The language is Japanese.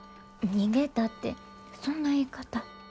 逃げたってそんな言い方。